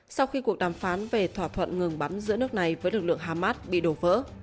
sau khi cuộc đàm phán về thỏa thuận ngừng bắn giữa nước này với lực lượng hamas bị đổ vỡ